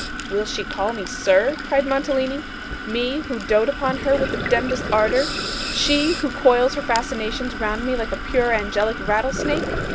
'Will she call me "Sir"?' cried Mantalini. 'Me who dote upon her with the demdest ardour! She, who coils her fascinations round me like a pure angelic rattlesnake!